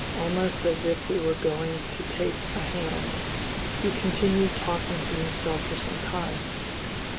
Almost as if we were going to take a hand " He continued talking to himself for some time.